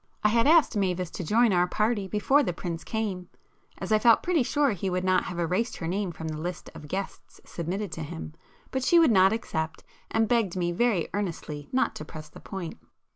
I had asked Mavis to join our party before the Prince came, as I felt pretty sure he would not have erased her name from the list of guests submitted to him,—but she would not accept, and begged me very earnestly not to press the point.